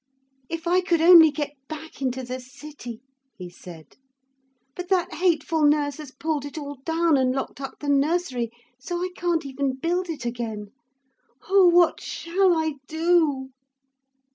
'If I could only get back into the city,' he said. 'But that hateful nurse has pulled it all down and locked up the nursery. So I can't even build it again. Oh, what shall I do?'